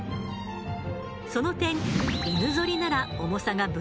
その点犬ぞりなら重さが分散